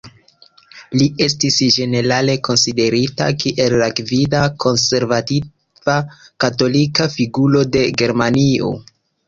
Li estis ĝenerale konsiderita kiel la gvida konservativa katolika figuro de Germanio.